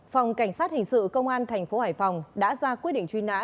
phòng cảnh sát hình sự công an tp hải phòng đã ra quyết định truy nã